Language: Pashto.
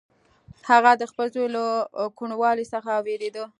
هغه د خپل زوی له کوڼوالي څخه وېرېده.